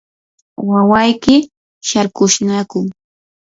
¿wawayki sharkushnaku?